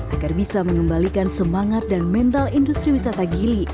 agar bisa mengembalikan semangat dan mental industri wisata gili